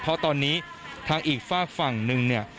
เพราะตอนนี้ทางอีกฝากฝั่งหนึ่งเนี่ย